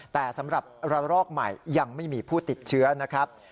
แต่สำหรับระลอกใหม่ยังไม่มีผู้ติดเชื้อนะครับ